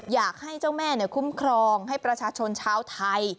อยากให้เจ้าแม่คุ้มครองให้ประชาชนชาวไทย